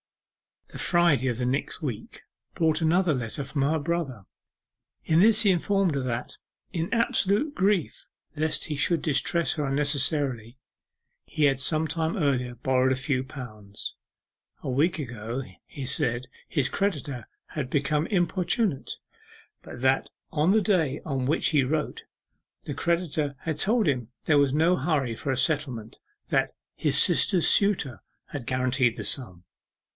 The Friday of the next week brought another letter from her brother. In this he informed her that, in absolute grief lest he should distress her unnecessarily, he had some time earlier borrowed a few pounds. A week ago, he said, his creditor became importunate, but that on the day on which he wrote, the creditor had told him there was no hurry for a settlement, that 'his sister's suitor had guaranteed the sum.